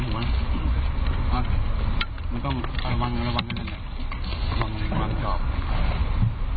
ระวังระวังกอบ